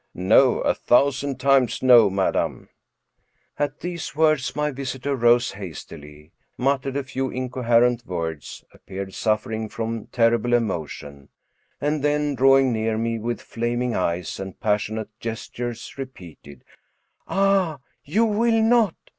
" No, a thousand times no, madam. At these words my visitor rose hastily, muttered a few incoherent words, appeared suffering from terrible emotion, and then drawing near me with flaming eyes and passionate gestures, repeated: "Ah, you will not!